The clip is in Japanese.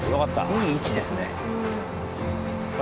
いい位置ですね。